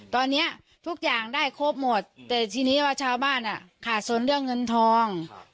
ตอนนี้ทุกอย่างได้ครบหมดแต่ทีนี้ว่าชาวบ้านอ่ะขาดสนเรื่องเงินทอง